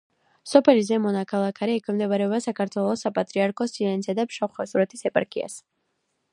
სოფელი ზემო ნაქალაქარი ექვემდებარება საქართველოს საპატრიარქოს თიანეთისა და ფშავ-ხევსურეთის ეპარქიას.